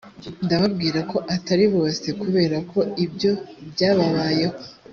ndababwira ko atari bose kubera ko ibyo byababayeho.